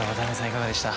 いかがでした？